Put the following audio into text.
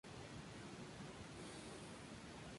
Esto permitió modernizar su industria.